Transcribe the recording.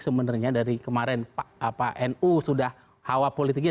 sebenarnya dari kemarin nu sudah hawa politiknya